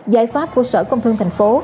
giải pháp của sở công thương thành phố